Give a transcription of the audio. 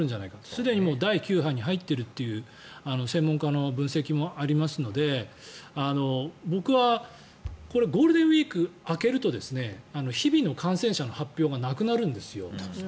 すでに第９波に入っているという専門家の分析もありますので僕は、これゴールデンウィーク明けると日々の感染者の発表がなくなるんですよ。